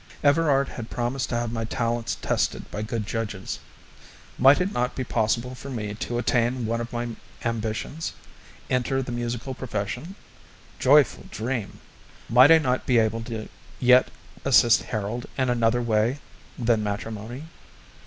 Everard had promised to have my talents tested by good judges. Might it not be possible for me to attain one of my ambitions enter the musical profession? joyful dream! Might I not be able to yet assist Harold in another way than matrimony?